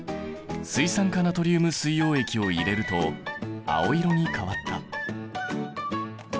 水酸化ナトリウム水溶液を入れると青色に変わった。